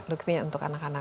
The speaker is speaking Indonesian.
lukemia untuk anak anak